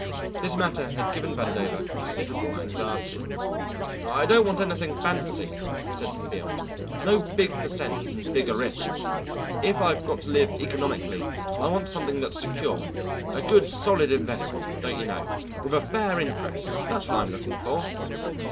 This matter had given Vandover considerable anxiety. "I don't want anything fancy," he said to Field. "No big per cents. and bigger risks. If I've got to live economically I want something that's secure. A good solid investment, don't you know, with a fair interest; that's what I'm looking for."